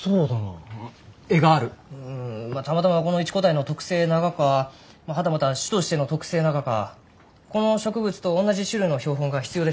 うんたまたまこの一個体の特性ながかはたまた種としての特性ながかこの植物とおんなじ種類の標本が必要ですね。